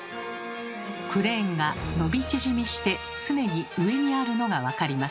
クレーンが伸び縮みして常に上にあるのが分かります。